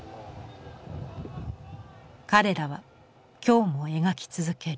彼らは今日も描き続ける。